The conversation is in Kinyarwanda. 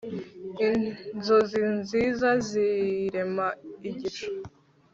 inzozi nziza zirema igicucu